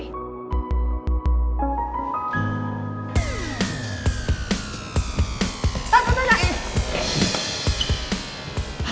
satu dari gue